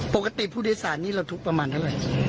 ปกติผู้โดยสารนี่เราทุกข์ประมาณเท่าไหร่